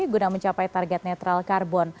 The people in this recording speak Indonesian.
guna mencapai target netral karbon